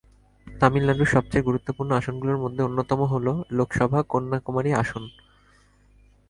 তামিলনাড়ুর সবচেয়ে গুরুত্বপূর্ণ আসনগুলির মধ্যে অন্যতম হল লোকসভা কন্যাকুমারী আসন।